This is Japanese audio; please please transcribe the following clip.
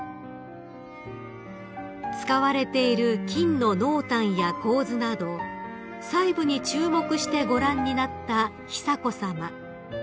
［使われている金の濃淡や構図など細部に注目してご覧になった久子さま］